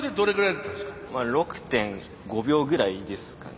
６．５秒ぐらいですかね。